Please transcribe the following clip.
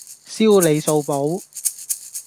燒你數簿